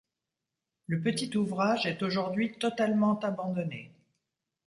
Le petit ouvrage est aujourd'hui totalement abandonné.